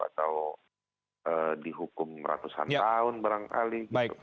atau dihukum ratusan tahun barangkali